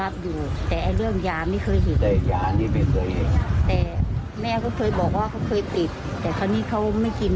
เพียงทิ้งเขาทุกชุมเนี่ยเขาไม่กิน